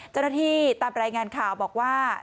เจ้าหน้าที่ตามรายงานข่าวบอกว่า